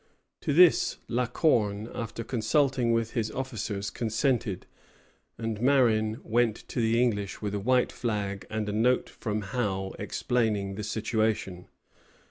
To this La Corne, after consulting with his officers, consented, and Marin went to the English with a white flag and a note from Howe explaining the situation.